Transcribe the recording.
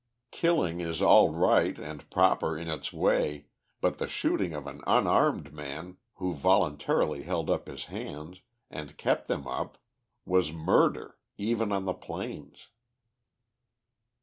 Killing is all right and proper in its way, but the shooting of an unarmed man who voluntarily held up his hands and kept them up, was murder, even on the plains.